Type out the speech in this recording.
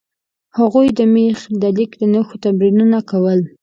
هغوی د میخي لیک د نښو تمرینونه کول.